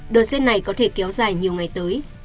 đợt rét này có thể kéo dài nhiều ngày tới